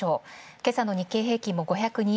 今朝の日経平均株価も５０２円